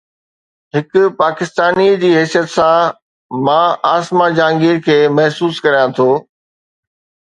هڪ پاڪستاني جي حيثيت سان مان عاصمه جهانگير کي محسوس ڪريان ٿو.